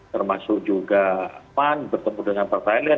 termasuk juga pan bertemu dengan partai lain